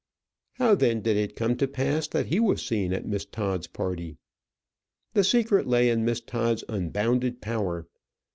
How then did it come to pass that he was seen at Miss Todd's party? The secret lay in Miss Todd's unbounded power.